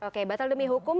oke batal demi hukum